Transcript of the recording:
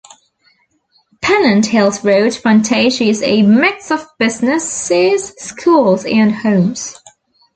Pennant Hills Road frontage is a mix of businesses, schools and homes.